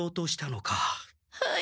はい。